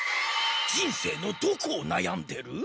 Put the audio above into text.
人生のどこをなやんでる？